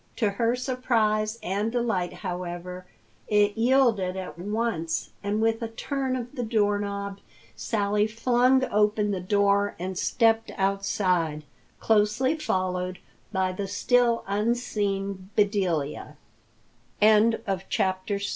To her surprise and delight, however, it yielded at once, and with a turn of the door knob Sally flung open the door and stepped outside, closely followed by the still unseen Bedelia. CHAPTER VII D.